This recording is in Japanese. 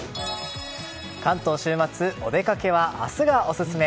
関東週末お出かけは明日がオススメ。